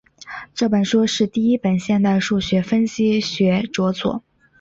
这本书是第一本现代数学分析学着作。